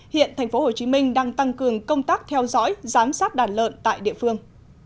hiện tp hcm đang tăng cường công tác theo dõi giám sát đàn lợn tại địa phương